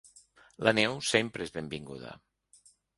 La neu sempre és benvinguda.